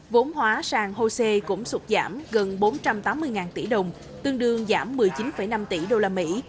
vốn hóa sang hosea cũng sụt giảm gần bốn trăm tám mươi tỷ đồng tương đương giảm một mươi chín năm tỷ usd